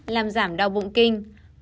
bốn làm giảm đau bụng kinh